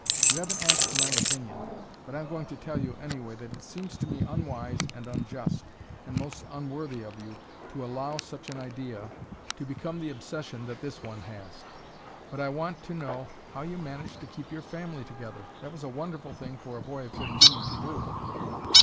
You haven't asked my opinion, but I'm going to tell you anyway that it seems to me unwise and unjust and most unworthy of you to allow such an idea to become the obsession that this one has. But I want to know how you managed to keep your family together. That was a wonderful thing for a boy of fifteen to do."